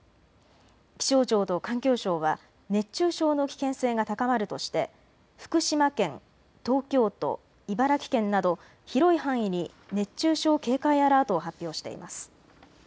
気象庁と環境省は熱中症の危険性が高まるとして福島県、東京都、茨城県など広い範囲に熱中症警戒アラートを発表しています。